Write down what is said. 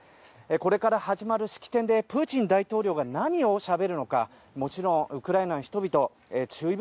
これから始まる式典でプーチン大統領が何をしゃべるのかもちろんウクライナの人々注意